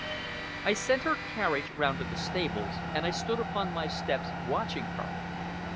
I sent her carriage round to the stables, and I stood upon my steps watching her.